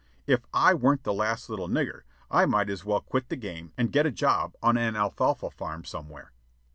If I weren't the last little nigger, I might as well quit the game and get a job on an alfalfa farm somewhere.